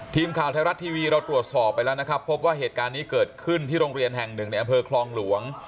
ทีมข่าวไทยรัฐทีวีเราตรวจสอบไปแล้วนะครับพบว่าเหตุการณ์นี้เกิดขึ้นที่โรงเรียนแห่งหนึ่งในอำเภอคลองหลวง